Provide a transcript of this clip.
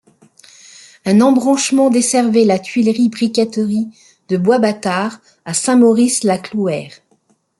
Un embranchement desservait la tuilerie-briquèterie de Bois-Bâtard à Saint-Maurice-la-Clouère.